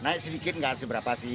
naik sedikit nggak hasil berapa sih